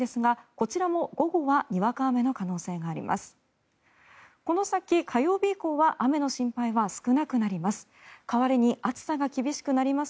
この先、火曜日以降は雨の心配は少なくなります。